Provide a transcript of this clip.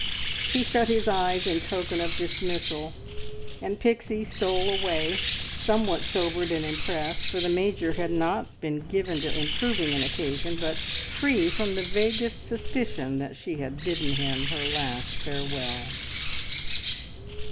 He shut his eyes in token of dismissal, and Pixie stole away, somewhat sobered and impressed, for the Major had not been given to improving an occasion, but free from the vaguest suspicion that she had bidden him her last farewell.